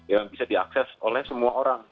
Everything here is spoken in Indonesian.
yang bisa diakses oleh semua orang